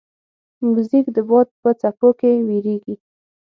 موزیک د باد په څپو کې ویریږي.